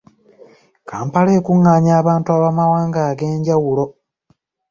Kampala ekungaanya abantu ab’amawanga ag’enjawulo!